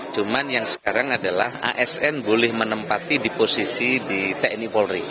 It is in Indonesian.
cuma yang sekarang adalah asn boleh menempati di posisi di tni polri